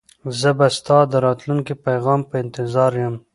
زه به ستا د راتلونکي پیغام په انتظار یم.